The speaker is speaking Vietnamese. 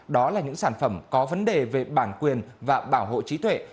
đó là những sản phẩm có vấn đề về bản quyền và bảo hộ trí tuệ